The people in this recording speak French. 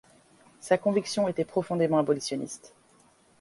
Sa conviction était profondément abolitionniste.